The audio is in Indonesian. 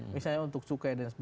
misalnya untuk cukai